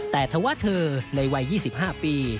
แต่ถ้าว่าเธอในวัย๒๕ปี